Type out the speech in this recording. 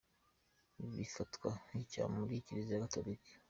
Ibi bifatwa nk’icyaha muri Kiliziya Gatolika.